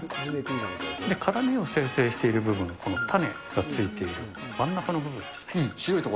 辛みを生成している部分が、この種がついている真ん中の部分白い所？